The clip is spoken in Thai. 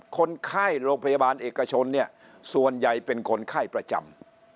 คนไข้โรงพยาบาลเอกชนเนี่ยส่วนใหญ่เป็นคนไข้ประจำ